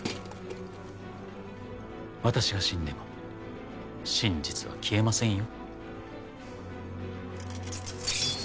私が死んでも真実は消えませんよ。